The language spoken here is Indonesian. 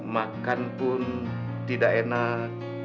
makan pun tidak enak